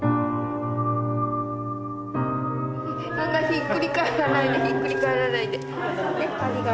ひっくり返らないでひっくり返らないでねっありがと。